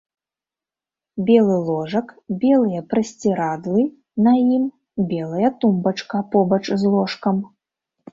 Белы ложак, белыя прасцірадлы на ім, белая тумбачка побач з ложкам.